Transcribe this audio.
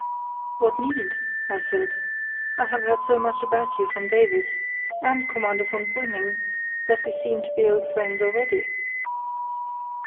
"What need?" I said. "I have heard so much about you from Davies—and Commander von Brüning—that we seem to be old friends already."